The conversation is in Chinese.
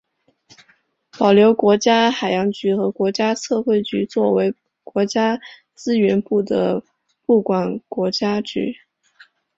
保留国家海洋局和国家测绘局作为国土资源部的部管国家局。